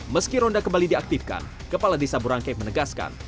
meski ronda kembali diaktifkan kepala desa burangke menegaskan